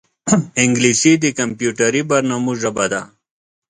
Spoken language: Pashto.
انګلیسي د کمپیوټري برنامو ژبه ده